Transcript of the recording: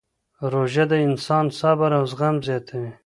روژه د انسان صبر او زغم زیاتوي.